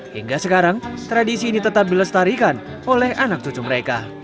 hingga sekarang tradisi ini tetap dilestarikan oleh anak cucu mereka